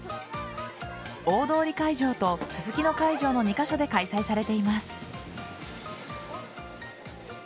大通会場とすすきの会場の２カ所で開催されています。